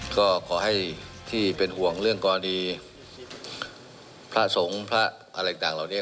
ก็ขอให้ที่เป็นห่วงเรื่องกรณีพระสงฆ์พระอะไรต่างเหล่านี้